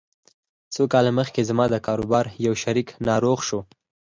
څو کاله مخکې زما د کاروبار يو شريک ناروغ شو.